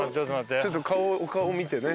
ちょっとお顔を見てね。